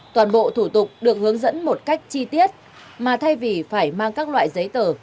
toàn bộ thủ tục được hướng dẫn một cách chi tiết mà thay vì phải mang các loại giấy tờ